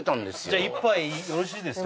じゃ１杯よろしいですか？